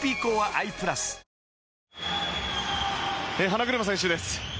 花車選手です。